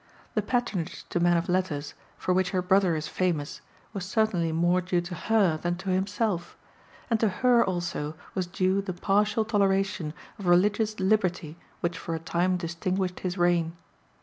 The patronage to men of letters for which her brother is famous was certainly more due to her than to himself; and to her also was due the partial toleration of religious liberty which for a time distinguished his reign.